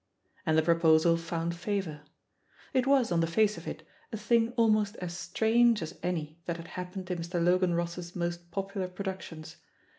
And the proposal foimd favour. It was, on the face of it, a thing almost as strange as any that had happened in Mr. Logan Ross's most popular productions.